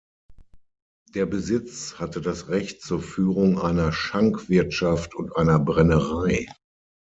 Der Besitz hatte das Recht zur Führung einer Schankwirtschaft und einer Brennerei.